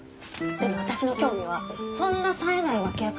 でも私の興味はそんなさえない脇役